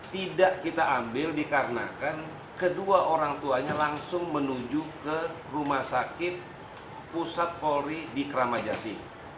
tidak kita ambil dikarenakan kedua orang tuanya langsung menuju ke rumah sakit pusat polri di kramajati